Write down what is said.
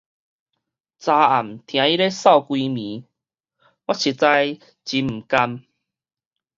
昨暗聽伊嗽規暝，我實在真毋甘